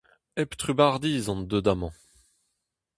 Hep trubardiz on deut amañ.